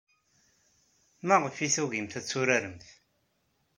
Maɣef ay tugimt ad turaremt?